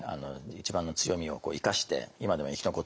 一番の強みを生かして今でも生き残っている。